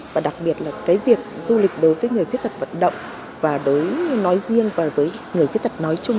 và đặc biệt là cái việc du lịch đối với người khuyết tật vận động và đối với nói riêng và với người khuyết tật nói chung